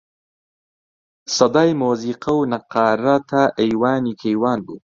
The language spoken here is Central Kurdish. سەدای مۆزیقە و نەققارە تا ئەیوانی کەیوان بوو